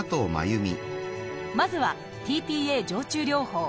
まずは「ｔ−ＰＡ静注療法」。